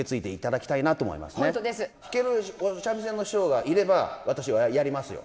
弾ける三味線の師匠がいれば私はやりますよ。